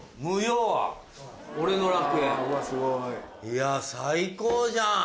いや最高じゃん。